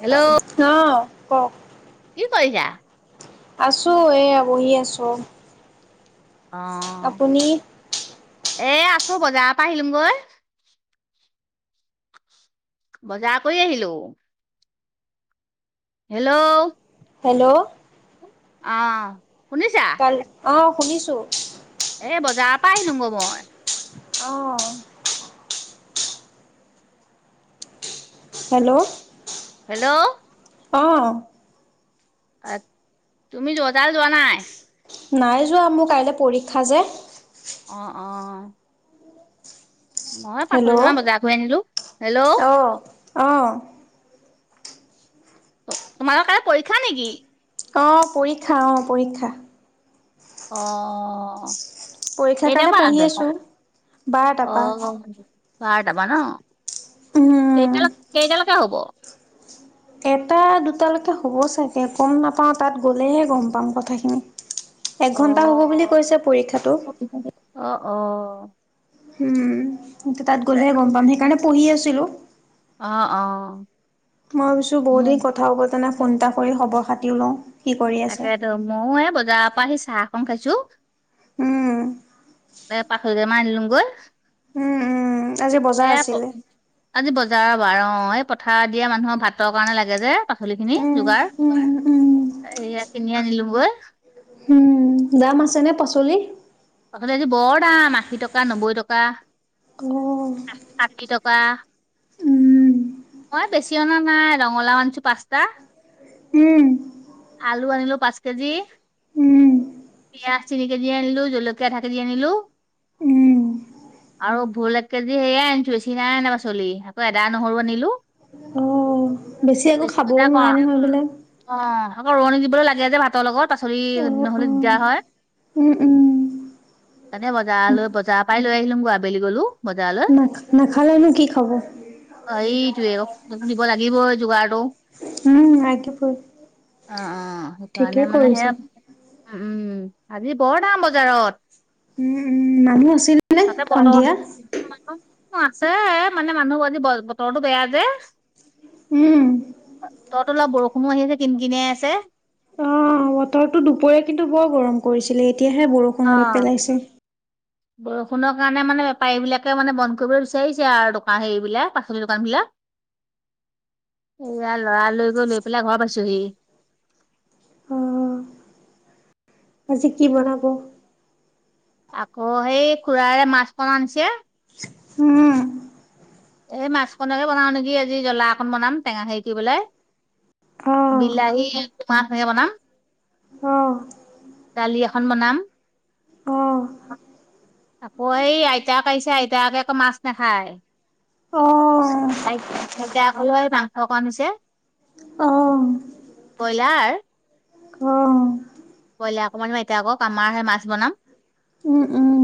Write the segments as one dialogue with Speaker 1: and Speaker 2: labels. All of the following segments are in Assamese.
Speaker 1: হেল্ল'
Speaker 2: অহ কওক।
Speaker 1: কি কৰিছা?
Speaker 2: আছোঁ এইয়া বহি আছোঁ।
Speaker 1: অ',
Speaker 2: আপুনি।
Speaker 1: এ আছোঁ বজাৰ পৰা আহিলোংগৈ। বজাৰ কৰি আহিলোঁ। হেল্ল'।
Speaker 2: হেল্ল'।
Speaker 1: অ', শুনিছা।
Speaker 2: কাল অ', শুনিছোঁ।
Speaker 1: এই বজাৰৰ পৰা আহিলোং গৈ' মই
Speaker 2: অহ। হেল্ল'।
Speaker 1: হেল্ল'।
Speaker 2: অ'।
Speaker 1: অ', তুমি জজাল যোৱা নাই।
Speaker 2: নাই যোৱা মোৰ কাইলৈ পৰীক্ষা যে
Speaker 1: অ', অ'। নহয়
Speaker 2: হেল্ল'
Speaker 1: পাখলি ত বজাৰ আনিলো হেল্ল'।
Speaker 2: অহ।
Speaker 1: তোমাৰ কা পৰীক্ষা নেকি?
Speaker 2: অ', পৰীক্ষা অ', পৰীক্ষা।
Speaker 1: অ'।
Speaker 2: পৰীক্ষাৰ
Speaker 1: কেইতাৰ
Speaker 2: কাৰণে
Speaker 1: পৰা আছে
Speaker 2: পঢ়ি
Speaker 1: যায়,
Speaker 2: আছো বাৰটাৰ পৰা
Speaker 1: অহ। বাৰটাপা ন
Speaker 2: উম,
Speaker 1: কেইটালৈ কেইটালৈকে হ'ব।
Speaker 2: এটা দুটালৈকে হ'ব চাগে গম নাপাওঁ তাত গ'লেহে গম পাম কথাখিনি এঘন্টা হ'ব বুলি কৈছে পৰীক্ষাটো
Speaker 1: অ', অ'।
Speaker 2: এয়া তাত গ'লেহে গম পাম সেইকাৰণে পঢ়ি আছিলোঁ।
Speaker 1: অ', অ'।
Speaker 2: মই ভাবিছোঁ বহুতদিন কথা পতা নাই
Speaker 1: অ'।
Speaker 2: ফোন এটা কৰি খবৰ খাতিও লওঁ কি কৰি আছে।
Speaker 1: মই এ বজাৰৰ পৰা আহি চাহ অকন খাইছোঁ।
Speaker 2: উম।
Speaker 1: এ পাখৰিকে মাৰ আনিলোঙগৈ
Speaker 2: উম, উম, আজি বজাৰ
Speaker 1: এ
Speaker 2: আছিলে।
Speaker 1: আজি বজাৰৰ বাৰ অ', এই পথাৰ দিয়া মানুহৰ ভাতৰ কাৰণে লাগে যে পাচলি খিনি
Speaker 2: উম,
Speaker 1: যোগাৰ।
Speaker 2: উম, উম।
Speaker 1: এইয়া কিনি আনিলো গৈ।
Speaker 2: উ দাম আছে নে পাচলিৰ।
Speaker 1: পাচলি আজি বৰ দাম আশী টকা নব্বৈ টকা।
Speaker 2: উ।
Speaker 1: ষাঠি টকা।
Speaker 2: উম।
Speaker 1: মই বেছি অনা নাই ৰঙালাও আনিছো পাঁচটা।
Speaker 2: উম।
Speaker 1: আলু আনিলো পাঁচ কেজি।
Speaker 2: উম,
Speaker 1: পিয়াজ তিনি কেজি দি আনিলো জলকীয়া আধা কেজি দি আনিলোঁ।
Speaker 2: উম।
Speaker 1: আৰু ভুল এক কেজি হেয়াই আনিছোঁ বেছি নাই আনে পাচলি আকৌ এদা নহৰু আনিলো।
Speaker 2: অ', একো
Speaker 1: বেছি
Speaker 2: খাবও
Speaker 1: [unintelligible] অ'।
Speaker 2: নোৱাৰে নহয় বোলে।
Speaker 1: আকৌ ৰোৱণী দিবলৈ লাগে যে ভাতৰ লগত পাচলি
Speaker 2: অ',
Speaker 1: নহ'লে
Speaker 2: অ',
Speaker 1: দিগদাৰ হয়।
Speaker 2: উম, উম।
Speaker 1: মানে বজাৰ লৈ, বজাৰপৰাই লৈ আহিলোম গৈ আবেলি গলোঁ।
Speaker 2: না, নাখালেনো কি খাব।
Speaker 1: অ' এইটোৱে, অকন দিব লাগিব এই যোগাৰটো।
Speaker 2: উম, আইত'পু।
Speaker 1: অ', অ' সেইকাৰণে মানে সেয়া, উম, আজি বৰ দাম বজাৰত।
Speaker 2: উম, উম, মানুহ আছিলনে
Speaker 1: তাতে বতৰ
Speaker 2: সন্ধিয়া?
Speaker 1: আছে মানে মানুহ আজি বতৰটো বেয়া যে।
Speaker 2: উম।
Speaker 1: তহঁতৰ অলপ বৰষুণো আহি আছে, কিন কিনাই আছে।
Speaker 2: অ' বতৰটো দুপৰীয়া কিন্তু বৰ গৰম কৰিছিলে এতিয়াহে বৰষু
Speaker 1: অ'।
Speaker 2: উ
Speaker 1: বৰষুণৰ কাৰণে মানে বেপাৰীবিলাকে মানে বন্ধ কৰিবলৈ বিচাৰিছে আৰু দোকান হেৰিবিলাক পাচলি দোকানবিলাক।
Speaker 2: অ
Speaker 1: এইয়া লৰা লৰি কৈ লৈ পেলাই ঘৰ পাইছোহি।
Speaker 2: অ', আজি কি বনাব?
Speaker 1: আকৌ সেই খুুৰাৰে মাছ কন আনিছে
Speaker 2: উম
Speaker 1: এই মাছখনকে বনাও নেকি আজি, জ্বলা অকন বনাম, টেঙা হেৰি দি পেনাই।
Speaker 2: অ
Speaker 1: বিলাহী মাছেৰে বনাম।
Speaker 2: অ
Speaker 1: ডালি এখন বনাম।
Speaker 2: অ
Speaker 1: আকৌ এই আইতাক আহিছে, আইতাক আকৌ মাছ নাখায়।
Speaker 2: অ',
Speaker 1: আইতাক লৈ এই মাংস অকণ আনিছে।
Speaker 2: অ',
Speaker 1: বইলাৰ?
Speaker 2: অ',
Speaker 1: বইলাৰ অকণমান এতিয়া আকৌ আমাৰহে মাছ বনাম।
Speaker 2: উম, উম। হুম।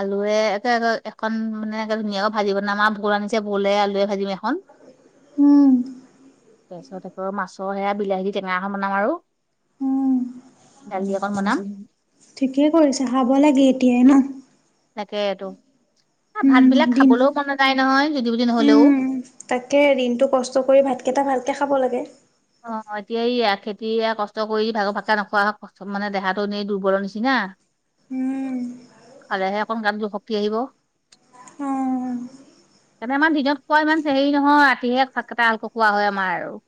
Speaker 1: আলুৱে একে এখন মানে ধুনীয়াকৈ ভাজি বনাম আৰু ভোল আনিছে, ভোলে আলুৱে ভাজিম এখন।
Speaker 2: উম।
Speaker 1: তাৰপিছত আকৌ মাছৰ সেয়া বিলাহী দি টেঙা এখন বনাম আৰু।
Speaker 2: উম
Speaker 1: ডালি অকণ বনাম।
Speaker 2: ঠিকেই কৰিছে, খাব লাগে এতিয়াই ন'।
Speaker 1: তাকেইতো, আ,
Speaker 2: উম
Speaker 1: ভাতবিলাক
Speaker 2: দিন
Speaker 1: খাবলৈও মন নাযায় নহয় জুতি যদি নহ'লেও।
Speaker 2: তাকেই দিনটো কষ্ট কৰি ভাতকেইটা ভালকে খাব লাগে।
Speaker 1: অ' এতিয়াে এইয়া খেতি কষ্ট কৰি ভাগৰ ভাকা নোখোৱাক চব মানে দেহাটো এনেই দুৰ্বলৰ নিচিনা।
Speaker 2: উম।
Speaker 1: খালেহে অকন গাত যোৰ শক্তি আহিব।
Speaker 2: অ
Speaker 1: তেন্তে আমাৰ দিনত খোৱা ইমান হেৰি নহয়, ৰাতিহে ভাতকেইটা হালক খোৱা হয় আমাৰ আৰু।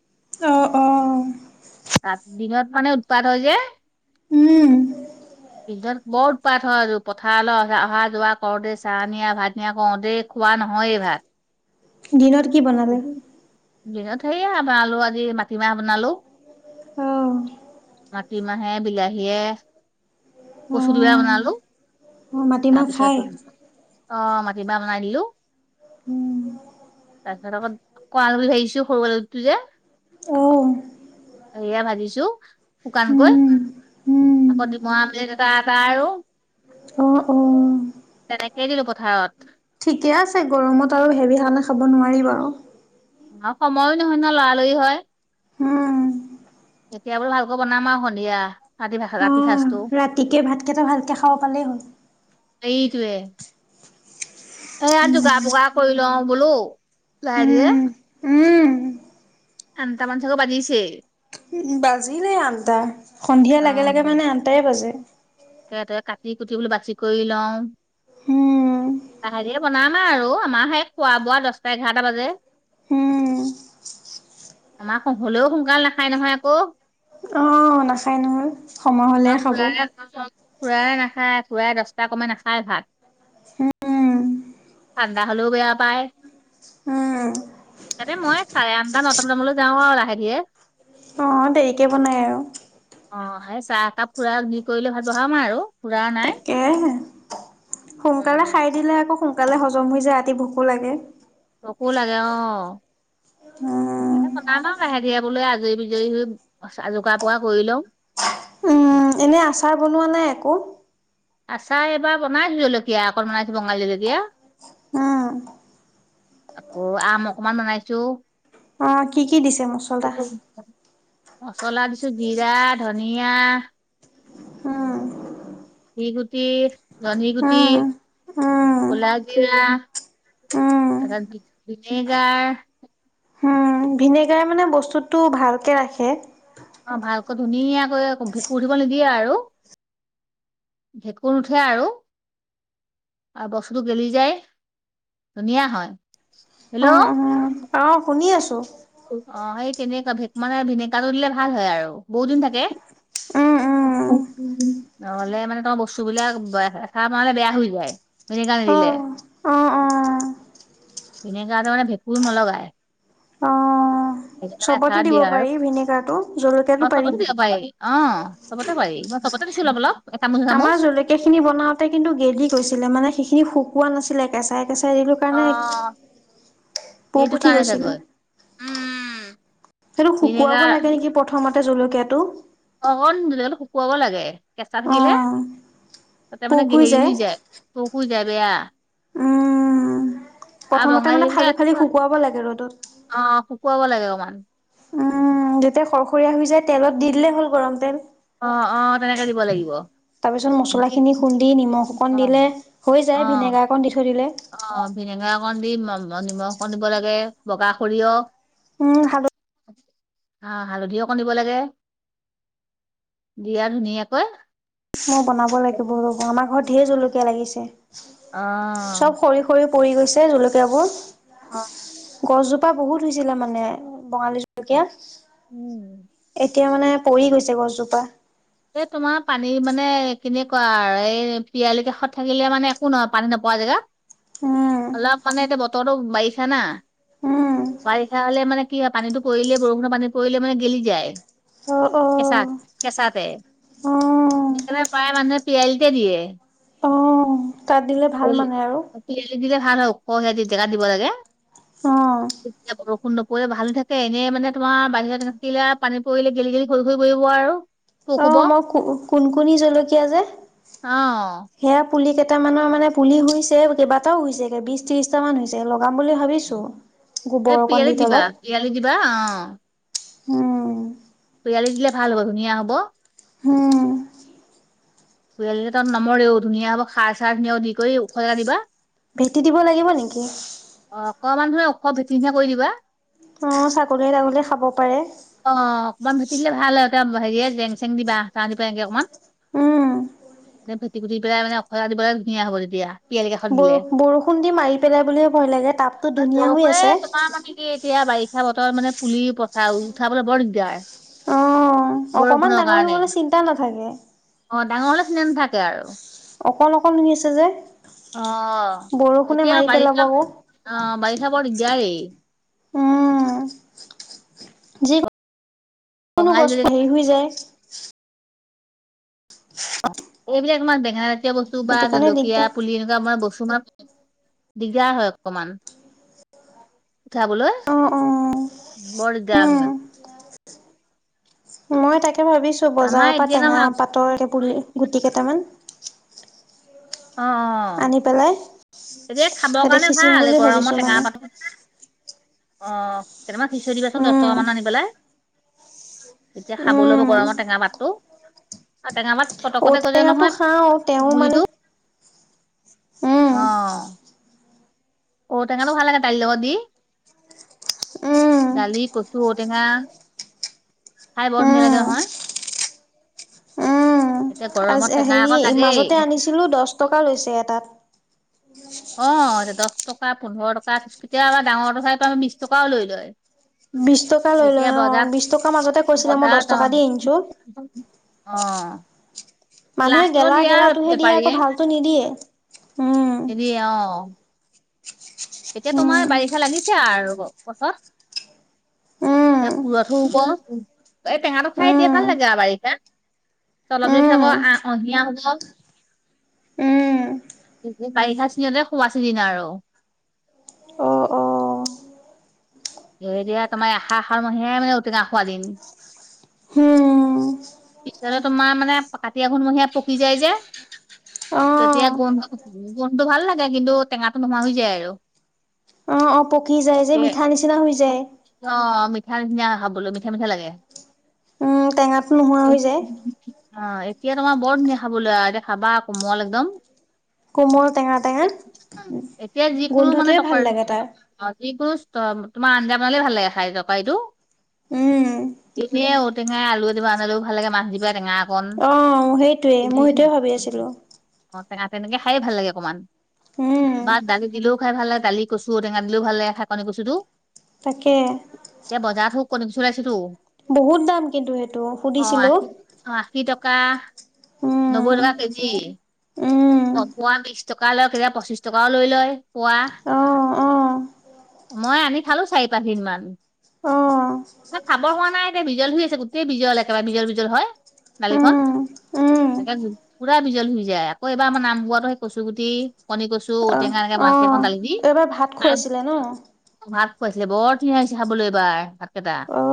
Speaker 2: অ', অ'।
Speaker 1: ৰাত দিনত মানে উৎপাত হয় যে।
Speaker 2: উম।
Speaker 1: দিগদৰ বৰ উৎপাত হয় আৰু পথাৰলৈ অহা যোৱা কৰোঁতে, চাহ নিয়া, ভাত নিয়া কৰোঁতেই খোৱা নহয়ে ভাত।
Speaker 2: দিনত কি বনালে?
Speaker 1: দিনত সেয়া আলু ভাজি মাত টিমাহ বনালো,
Speaker 2: অ',
Speaker 1: মাটিমাহে, বিলাহীয়ে
Speaker 2: অ',
Speaker 1: কচু দিবা বনালো,
Speaker 2: অ', মাটিমাহ খায়।
Speaker 1: তাৰপিছত অ' মাটিমাহ বনাই দিলোঁ।
Speaker 2: উম,
Speaker 1: তাৰপিছত আকৌ কল আলু বুলি ভাবিছোঁ সৰুটো যে।
Speaker 2: অ',
Speaker 1: এয়া ভাজিছোঁ শুকানকৈ,
Speaker 2: উম, উম,
Speaker 1: আকৌ ডিমৰা বুলি তা তা আৰু
Speaker 2: অ', অ'।
Speaker 1: তেনেকেই দিলোঁ পথাৰত।
Speaker 2: ঠিকে আছে, গৰমত আৰু হেভি খাব নোৱাৰি বাৰু।
Speaker 1: অ'! সময়ো নহয়, নহয়, লৰালৰি হয়।
Speaker 2: উম,
Speaker 1: এতিয়া বোলে, ভালকৈ বনাম আৰু সন্ধিয়া।
Speaker 2: অ',
Speaker 1: [unintelligible]
Speaker 2: ৰাতিকে, ভাতকেইটা ভালকে খাব পালেই হ'ল।
Speaker 1: সেইটোৱে! এইয়া, যোগাৰ- বোগাৰ কৰি লওঁ বোলোঁ, লাহে-ধিৰে।
Speaker 2: উম, উম,
Speaker 1: আঠটামান চাগে বাজিছেই।
Speaker 2: বাজিলেই আঠটা, সন্ধিয়া
Speaker 1: অ
Speaker 2: লাগে-লাগে মানে, আঠটাই বাজে।
Speaker 1: ইয়াতে, কাটি-কুটি বোলোঁ, বাছি কৰি লওঁ।
Speaker 2: উম,
Speaker 1: এহাজিয়ে বনাম আৰু আমাৰহে খোৱা-বোৱা দহটা-এঘাৰটা বাজে।
Speaker 2: উম!
Speaker 1: আমাৰ হ'লেও, সোনকাল নাখায় নহয়, আকৌ।
Speaker 2: অ'! নাখায় নহয়, সময় হ'লেহে খাব।
Speaker 1: খুড়াই নাখায়, খুড়াই দহটা [unintelligible] নাখায় ভাত।
Speaker 2: উম,
Speaker 1: ঠাণ্ডা হ'লেও, বেয়া পায়।
Speaker 2: উম,
Speaker 1: তাতে, মই চাৰে আঠটা, নটামানত যাওঁ আৰু লাহে-ধিৰে।
Speaker 2: অ'! দেৰিকে বনায় আৰু।
Speaker 1: অ'! সেই চাহ একাপ খুড়াক, দি কৰিলে ভাল বহাম আৰু খুড়া নাই।
Speaker 2: তাকে
Speaker 1: উম
Speaker 2: সোনকালে
Speaker 1: উম
Speaker 2: খাই দিলে আকৌ, সোনকালে হজম হৈ যায়, ৰাতি ভোকোঁ লাগে।
Speaker 1: ভোকোঁ লাগে, অ'!
Speaker 2: উম,
Speaker 1: বনাম আৰু লাহে-ধিৰে বোলোঁ, আজৰি-বিজৰি হৈ [unintelligible] কৰি লওঁ।
Speaker 2: উম, এনেই আচাৰ বনোৱা নাই, একো?
Speaker 1: আচাৰ এইবাৰ বনাইছোঁ, জলকীয়া অকণ বনাইছোঁ, বঙালী জলকীয়া।
Speaker 2: উম,
Speaker 1: আকৌ, আম অকমান বনাইছোঁ।
Speaker 2: অ'! কি কি দিছে, মছলা?
Speaker 1: মছলা দিছোঁ, জিৰা -ধনিয়া।
Speaker 2: উম!
Speaker 1: মেথি গুটি, জোনি গুটি,
Speaker 2: উম, উম,
Speaker 1: ক'লা-জিৰা।
Speaker 2: উম।
Speaker 1: [unintelligible] ভিনেগাৰ।
Speaker 2: উম, ভিনেগাৰে মানে, বস্তুটো ভালকে ৰাখে।
Speaker 1: অ'! ভালকৈ, ধুনীয়াকৈ ভেঁকুৰ উঠিবলৈ, নিদিয়ে আৰু। ভেঁকুৰ নুঠে আৰু। আৰু বস্তুটো গেলি যায়, ধুনীয়া হয়!
Speaker 2: অ' অ'! অ'! শুনি আছোঁ।
Speaker 1: অ'! সেই তেনেকুৱা, [unintelligible] মানে, ভিনেগাৰটো দিলে ভাল হয় আৰু বহুত দিন থাকে।
Speaker 2: উম, উম,
Speaker 1: নহ'লে মানে, তোমাৰ বস্তুবিলাক, [unintelligible] বেয়া হৈ যায়। ভিনেগাৰ নিদিলে।
Speaker 2: অ', অ', অ',
Speaker 1: ভিনেগাৰটো মানে, ভেঁকুৰ নলগায়।
Speaker 2: অ'।
Speaker 1: সেইকাৰণে,
Speaker 2: চবতে
Speaker 1: আচাৰত
Speaker 2: দিব
Speaker 1: দিয়া আৰু
Speaker 2: পাৰি ভিনেগাৰটো, জলকীয়াতো
Speaker 1: অ'!
Speaker 2: পাৰি।
Speaker 1: চবতে দিব পাৰি। অ'! চবতে পাৰি, মই চবতে দিছোঁ, অলপ-অলপ।
Speaker 2: আমাৰ জলকীয়া খিনি, বনাওঁতে কিন্তু, গেলি গৈছিলে মানে। সেইখিনি, শুকোৱা নাছিলে, কেঁচাই- কেঁচাই দিলোঁ।
Speaker 1: অ
Speaker 2: সেইকাৰণে, পোক উঠি গৈছিলে।
Speaker 1: উম!
Speaker 2: সেইটো শুকুৱাব লাগে নেকি, প্ৰথমতে জলকীয়াটো?
Speaker 1: অকণ জলকীয়াটো শুকুৱাব লাগে। কেঁচা থাকিলে,
Speaker 2: অ'।
Speaker 1: তাতে মানে, হেৰি হৈ যায়। [unintelligible]
Speaker 2: উম,
Speaker 1: আৰু
Speaker 2: প্ৰথমতে মানে,
Speaker 1: বঙালীকে
Speaker 2: ফালি-ফালি শুকুৱাব লাগে, ৰ'দত।
Speaker 1: অ'! শুকুৱাব লাগে, অকমান।
Speaker 2: উম! যেতিয়া, খৰখৰিয়া হৈ যায়, তেলত দি দিলে হ'ল, গৰম তেল।
Speaker 1: অ অ তেনেকে দিব লাগিব।
Speaker 2: তাৰপিছত মছলাখিনি খুন্দি নিমখ অকণ দিলে হৈ
Speaker 1: অ
Speaker 2: যায় ভিনেগাৰ অকণ দি থৈ দিলে।
Speaker 1: অ ভেনেগাৰ অকণ দিম নিমখ অকণ দিব লাগে বগা সৰিয়হ,
Speaker 2: উম হাল
Speaker 1: হা-হালধিওক দিব লাগে। দিয়া ধুনীয়াকৈ
Speaker 2: মই বনাব লাগিব ৰব আমাৰ ঘৰত ঢেৰ জলকীয়া লাগিছে।
Speaker 1: অ
Speaker 2: চব সৰি পৰি গৈছে জলকীয় বোৰ।
Speaker 1: অ
Speaker 2: গছজোপা বহুত হৈছিলে মানে বঙালী
Speaker 1: উম।
Speaker 2: এতিয়া মানে পৰি গৈছে গছজোপা।
Speaker 1: এই তোমাৰ পানী মানে কেনেকুৱা এই পয়ালিৰ কাষত থাকিলে মানে একো নহয় পানী নপোৱা
Speaker 2: উম,
Speaker 1: জেগাত। অলপ মানে এতিয়া বতৰটো বাঢ়িছো না।
Speaker 2: উম,
Speaker 1: বাৰিষা হ'লে মানে কি হয়, পানীটো পৰিলে বৰষুণৰ পানী পৰিলে মানে গেলি যায়।
Speaker 2: অ অ।
Speaker 1: কেচা কেচাতে।
Speaker 2: অ'।
Speaker 1: নিকে পায় মানুহে পিয়ালিতে দিয়ে।
Speaker 2: অ', তাত দিলে ভাল মানে আৰু।
Speaker 1: পিয়ালিত দিলে ভাল হয়, ওখ সিহতি জেগা দিব লাগে।
Speaker 2: অ।
Speaker 1: তেতিয়া বৰষুণ নপৰিলে ভালে থাকে। এনেই মানে তোমাৰ বাহিৰত থাকিলে পানী পৰিলে গেলি গেলি সৰি সৰি পৰিব আৰু।
Speaker 2: অ মই কোন-কোনী জলকীয়া যে। সেয়া পুলি কেইটামানৰ মানে পুলি হৈছে, কেইবটাও হৈছেগে, বিশ ত্ৰিশটা মান হৈছে। লগাব বুলি ভাবিছো গোবৰ
Speaker 1: এই
Speaker 2: অকণ দি
Speaker 1: পিৰালিত দিবা
Speaker 2: তলত
Speaker 1: পিৰালিত দিবা অ
Speaker 2: উম।
Speaker 1: পিৰালিত দিলে ভাল হ'ব, ধুনীয়া হ'ব।
Speaker 2: হম।
Speaker 1: পয়ালি তাত নমৰেও, ধুনীয়া হ'ব সাৰ-চাৰ [unintelligible]
Speaker 2: ভেটি দিব লাগিব নেকি?
Speaker 1: অ অকমানুহ ওখ ভেটি নিচনা কৰি দিবা।
Speaker 2: অ ছাগলী-তাগলী খাব পাৰে।
Speaker 1: অ অকণমান ভেট দিলে ভাল হয়। হেৰিয় জেং-চেং দিবা, [unintelligible] অকনমান।
Speaker 2: উম।
Speaker 1: [unintelligible] ধুনীয়া হ'ব তেতিয়া পিৰালি কাষত দিলে
Speaker 2: ব-বৰষুণ দি মাৰি পেলাই বুলিহে ভয় লাগে, তাপতো ধুনীয়া হৈ
Speaker 1: বৰষুণে
Speaker 2: আছে।
Speaker 1: [unintelligible] এতিয়া বাৰিষা বতৰ মানে পুলি পথা উঠাবলৈ বৰ দিগদাৰ।
Speaker 2: অকনমান
Speaker 1: বৰষুণৰ
Speaker 2: ডাঙৰ হৈ
Speaker 1: কাৰণে
Speaker 2: গলে চিন্তা নাথাকে।
Speaker 1: অ ডাঙৰ হ'লে চিন্তা নাথাকে আৰু।
Speaker 2: অক অক নি আছে যে।
Speaker 1: অ
Speaker 2: বৰষুণে
Speaker 1: এতিয়া
Speaker 2: মাৰি পেলাব
Speaker 1: বাৰিষা
Speaker 2: আকৌ।
Speaker 1: অ বাৰিষা বৰ দিদাৰি।
Speaker 2: উম, [unintelligible]
Speaker 1: বঙালী
Speaker 2: গছ
Speaker 1: জলকীয়া
Speaker 2: হেৰি হৈ যায়।
Speaker 1: এইবিলাক তোমাৰ বেঙা জাতীয় বস্তু বা
Speaker 2: সেইটো কাৰণে
Speaker 1: জলকীয়া
Speaker 2: দিগদাৰ।
Speaker 1: পুলি এনেকুৱা আমাৰ বস্তু মা দিগদাৰ হয় অকমান। উঠাবলৈ
Speaker 2: অ', অ',
Speaker 1: বৰ দিগদাৰ
Speaker 2: উম।
Speaker 1: হয়।
Speaker 2: মই তাকে ভাবিছোঁ
Speaker 1: আমাৰ
Speaker 2: বজাৰৰ পৰা
Speaker 1: এতিয়া ন
Speaker 2: টেঙা
Speaker 1: অ'
Speaker 2: পাটৰ পুলি গুটি কেইটামান।
Speaker 1: অ অ।
Speaker 2: আনি পেলাই
Speaker 1: এতিযায় খাবৰ
Speaker 2: তাতে
Speaker 1: কাৰণে
Speaker 2: সিঁচিম
Speaker 1: ভাল
Speaker 2: বুলি ভাবিছোঁ
Speaker 1: গৰমৰ টেঙা
Speaker 2: মানে
Speaker 1: পাতো অ কেইটামান সিচৈ দিবাচোন দহ
Speaker 2: উম,
Speaker 1: টকা মান আনি পেলাই। এতিয়া খাব লব
Speaker 2: উম।
Speaker 1: গৰমৰ টেঙা পাতটো। আৰু টেঙাপাত
Speaker 2: ঔটেঙাটো খাওঁ তেওঁ মানে
Speaker 1: [unintelligible]
Speaker 2: [inaudible]
Speaker 1: অ'। ঔটেঙাতো ভাল লাগে দালি লগত দি।
Speaker 2: উম।
Speaker 1: দালি কচু ঔ টেঙা খাই বৰ ধুনিয়া লাগে
Speaker 2: উম
Speaker 1: নহয়। এতিয়া
Speaker 2: আজ
Speaker 1: গৰমত টেঙা অকণ
Speaker 2: হেৰি
Speaker 1: লাগেই
Speaker 2: মাজতে আনিছিলোঁ, দহ টকা লৈছে এটাত।
Speaker 1: অ' এ দহ টকা পোন্ধৰ টকা বিশ টকিয়া ডাঙৰ খাই, আমি বিশ টকাও লৈ লয়।
Speaker 2: বিশ টকা লৈ
Speaker 1: এতিয়া
Speaker 2: লয় অ
Speaker 1: বজাৰ,
Speaker 2: বিশ টকাৰ মাজতে কৈছিলে মই দহ
Speaker 1: বজাৰত
Speaker 2: টকা দি আনিছো।
Speaker 1: অ'। অ'।
Speaker 2: মানুহে
Speaker 1: লাষ্টত
Speaker 2: গেলা
Speaker 1: দিয়ে আৰু
Speaker 2: গেলাটোহে দিয়ে, আকৌ
Speaker 1: বেপাৰীয়ে
Speaker 2: ভালতটো নিদিয়ে, উম।
Speaker 1: নিদিয়ে অ'। এতিয়া তোমাৰ
Speaker 2: উম।
Speaker 1: বাৰিষা লাগিছো আৰু পথত।
Speaker 2: উম
Speaker 1: এতিয়া পুৰঠো হব, এই টেঙাটো খাই এতিয়া ভাল
Speaker 2: উম
Speaker 1: লাগে আৰু বাৰিষাত। অলপ দেৰি পিছত
Speaker 2: উম
Speaker 1: আকৌ আ ক অধিয়া হব।
Speaker 2: উম
Speaker 1: বাৰিষা চিজনতে খুৱা চিজিন আৰু।
Speaker 2: অ অ
Speaker 1: এ এতিয়া তোমাৰ এশাশাৰ মহীয়াই মানে ঔটেঙা খোৱা দিন।
Speaker 2: হম।
Speaker 1: পিছতে তোমাৰ মানে, কাতি আঘোণ মহীয়া পকি যায় যে।
Speaker 2: অ
Speaker 1: তেতিয়া গোন্ধ, গোন্ধটো ভাল লাগে কিন্তু টেঙাটো নোমোৱা হৈ যায় আৰু।
Speaker 2: অ অ' পকি যায় যে, মিঠা নিচিনা হৈ যায়
Speaker 1: অ', মিঠা নিছিনা খাবলৈ, মিঠা মিঠা লাগে। [inaudible]
Speaker 2: উম টেঙাটো নোহোৱা হৈ যায়।
Speaker 1: অ' এতিয়া তোমাৰ বৰ ধুনীয়া খাবলৈ, আৰু এতিয়া খাবা কোমল একদম।
Speaker 2: কোমল টেঙা টেঙা
Speaker 1: এতিয়া যিকোনো
Speaker 2: গোন্ধটোৱে
Speaker 1: মানে
Speaker 2: ভাল
Speaker 1: টকাৰ
Speaker 2: লাগে তাৰ
Speaker 1: অ' যিবোৰ তোমাৰ আঞ্জা বনালে ভাল লাগে খাই তৰকাৰীটো।
Speaker 2: উম।
Speaker 1: এনে ঔটেঙ আলু এ দি বনালও ভাল লাগে, মাছ দিবা টেঙা অকণ
Speaker 2: অ' সেইটোৱে, মই সেইটোয়ে ভাবি আছিলো।
Speaker 1: অ' তেনেকে খায়ে ভাল লাগে অকমান।
Speaker 2: উম,
Speaker 1: বা দালি দিলেও খাই ভাল লাগে, দালি কচু ঔ টেঙা দিলেও ভাল লাগে খায় শা কচু টো।
Speaker 2: তাকে।
Speaker 1: এতিয়া বজাৰত হ কণ চলাইছেতো।
Speaker 2: বহুত দাম কিন্তু সেইটো সুধিছিলো।
Speaker 1: আশী টকা, নবৈ
Speaker 2: উম,
Speaker 1: টকা কেজি।
Speaker 2: উম।
Speaker 1: অ' পোৱা বিশ টকা লয়, কেতিয়া পঁচিশ টকাও লৈ লয় পোৱা।
Speaker 2: অ', অ',
Speaker 1: মই আনি খালো চাৰি পাঁচ দিন মান।
Speaker 2: অ',
Speaker 1: খাব হোৱা নাই, এতিয়া বিজল হৈ আছে, গোটেই বিজল একেবাৰে বিজল বিজল হয়। দালিখন,
Speaker 2: উম, উম,
Speaker 1: এটা পুৰা বিজল হৈ যায়, আকৌ এবাৰ আমাৰ নাম বোৱা সেই কচু গুটি, কনি কচু
Speaker 2: অ',
Speaker 1: ঔটেঙা এনেকা মা সেইখন দালিত দি, তাত
Speaker 2: জানো।
Speaker 1: ভাত খোৱাইছিলে, বৰ [unintelligible] হৈছে খাবলৈ এইবাৰ ভাতকেইটা।
Speaker 2: অ'।